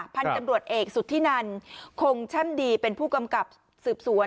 พันธุ์ตำรวจเอกสุธินันคงแช่มดีเป็นผู้กำกับสืบสวน